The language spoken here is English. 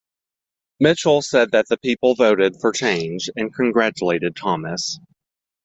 Mitchell said that the people voted for change and congratulated Thomas.